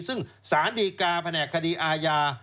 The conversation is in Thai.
ซึ่งสารดีกาแผนกคดีอาญา